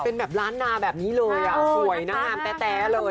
เป็นแบบล้านนาแบบนี้เลยอ่ะสวยหน้างามแต๊เลย